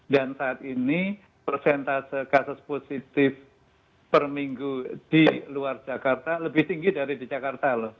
dan saat ini persentase kasus positif per minggu di luar jakarta lebih tinggi dari di jakarta loh